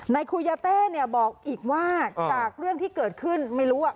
ครูยาเต้เนี่ยบอกอีกว่าจากเรื่องที่เกิดขึ้นไม่รู้อ่ะ